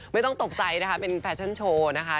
ไม่ต้องตกใจนะคะเป็นแฟชั่นโชว์นะคะ